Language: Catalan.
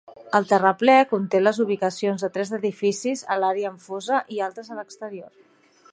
El terraplè conté les ubicacions de tres edificis a l'àrea amb fossa i altres a l'exterior.